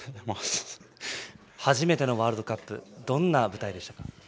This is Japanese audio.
初めてのワールドカップどんな舞台でしたか？